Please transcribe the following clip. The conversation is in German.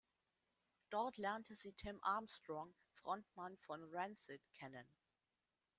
Dort lernte sie Tim Armstrong, Frontmann von Rancid, kennen.